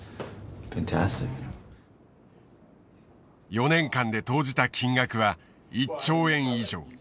４年間で投じた金額は１兆円以上。